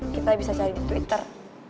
kita bisa cari di twitter